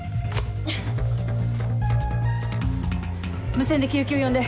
無線で救急呼んで。